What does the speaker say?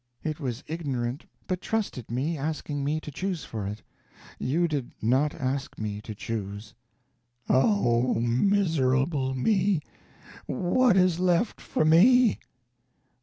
It was ignorant, but trusted me, asking me to choose for it. You did not ask me to choose." "Oh, miserable me! What is left for me?"